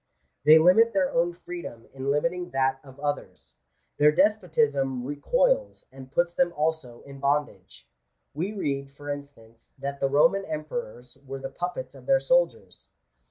They limit their own freedom in limiting that of others : their despotism recoils, and puts them also in bondage. We read, for instance, that the Roman emperors were the puppets of their soldiers.